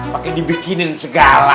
pakai dibikinin segala